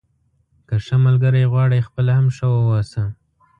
که ښه ملګری غواړئ خپله هم ښه واوسه.